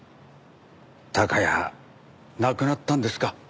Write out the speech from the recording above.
孝也亡くなったんですか。